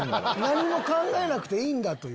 何も考えなくていいんだ！と。